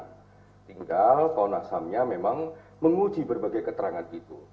tinggal komnas hamnya memang menguji berbagai keterangan itu